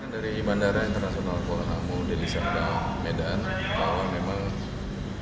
dari bandara internasional kuala namu dari sabda medan